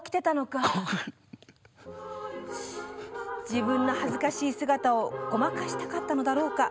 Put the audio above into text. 自分の恥ずかしい姿をごまかしたかったのだろうか。